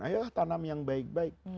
ayolah tanam yang baik baik